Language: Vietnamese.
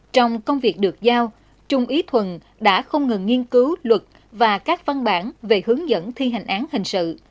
trong công việc được giao trung ý thuần đã không ngừng nghiên cứu luật và các văn bản về hướng dẫn thi hành án hình sự